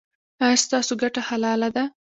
ایا ستاسو ګټه حلاله ده؟